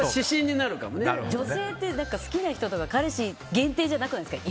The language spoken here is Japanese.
女性って好きな人とか彼氏限定じゃなくないですか？